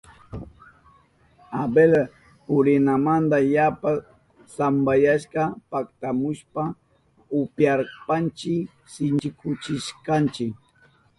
Abel purinamanta yapa sampayashka paktamushpan upyachishpanchi sinchikuchishkanchi.